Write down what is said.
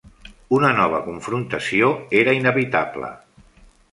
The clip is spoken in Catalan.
Una nova confrontació era inevitable.